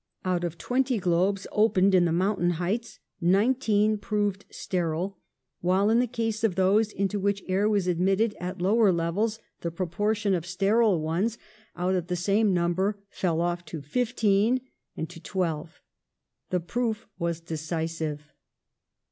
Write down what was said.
Out of twenty globes opened on the mountain heights nineteen remained sterile, while in the case of those into which air was admitted at lower levels the proportion of sterile ones, out of the ON THE ROAD TO FAME 67 same number, fell off to fifteen and to twelve. The proof was decisive.